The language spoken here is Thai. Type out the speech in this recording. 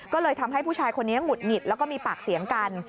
ก็เลยทำให้ผู้ชายคนนี้หงุดหงิดแล้วก็มีปากเสียงกัน